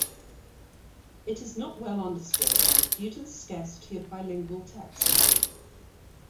It is not well understood due to the scarcity of bilingual texts.